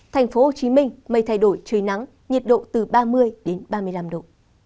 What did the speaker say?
thành phố hồ chí minh mây thay đổi trời nắng nhiệt độ từ ba mươi đến ba mươi năm độ